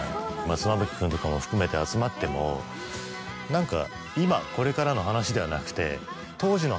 妻夫木君とかも含めて集まっても何か。